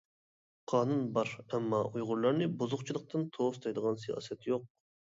قانۇن بار، ئەمما ئۇيغۇرلارنى بۇزۇقچىلىقتىن توس دەيدىغان سىياسەت يوق.